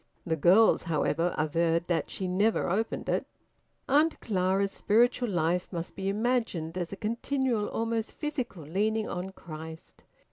(The girls, however, averred that she never opened it.) Aunt Clara's spiritual life must be imagined as a continual, almost physical leaning on Christ.